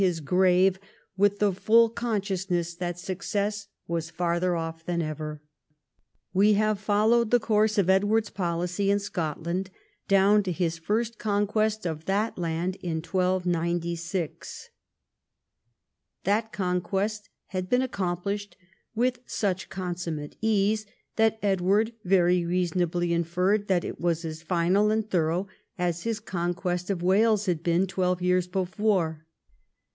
his grave with the full consciousness that success was farther off than ever. We have followed the course of Edward's policy in Scotland down to his j&rst conquest of that land in 1296. That conquest had been accomplished with such con summate ease, that Edward very reasonably inferred that it was as final and thorough as his conquest of Wales had been twelve years before.